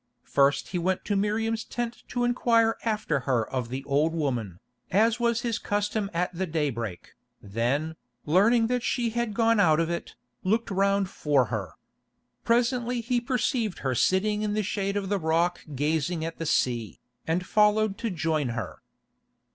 First he went to Miriam's tent to inquire after her of the old woman, as was his custom at the daybreak, then, learning that she had gone out of it, looked round for her. Presently he perceived her sitting in the shade of the rock gazing at the sea, and followed to join her.